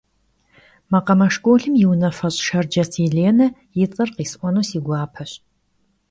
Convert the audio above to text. Makhame şşkolım yi vunafeş' Şşerces Yêlêne yi ts'er khis'uenu si guapeş.